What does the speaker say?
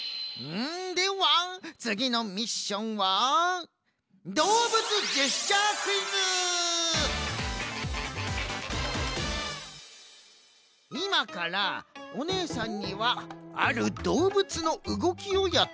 ではつぎのミッションはいまからおねえさんにはあるどうぶつのうごきをやってもらいます。